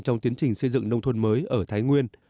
trong tiến trình xây dựng nông thôn mới ở thái nguyên